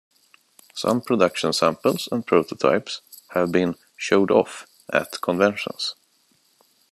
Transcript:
Some production samples and prototypes have been showed off at conventions.